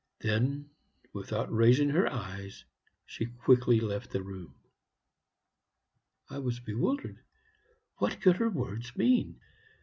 Then, without raising her eyes, she quickly left the room. I was bewildered. What could her words mean?